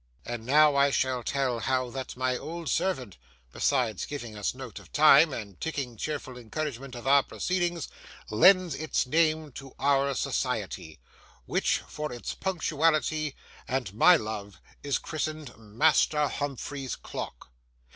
And now shall I tell how that my old servant, besides giving us note of time, and ticking cheerful encouragement of our proceedings, lends its name to our society, which for its punctuality and my love is christened 'Master Humphrey's Clock'?